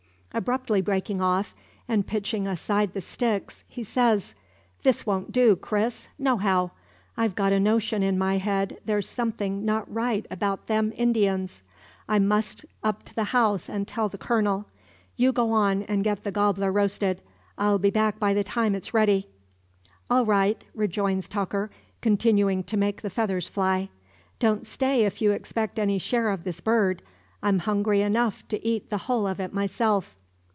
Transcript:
Abruptly breaking off, and pitching aside the sticks, he says: "This wont do, Cris, nohow. I've got a notion in my head there's something not right about them Indyens. I must up to the house an' tell the Colonel. You go on, and get the gobbler roasted. I'll be back by the time its ready." "All right," rejoins Tucker, continuing to make the feathers fly. "Don't stay if you expect any share of this bird. I'm hungry enough to eat the whole of it myself."